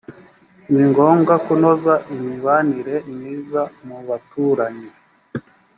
ni ngombwa kunoza imibanire myiza mu baturanyi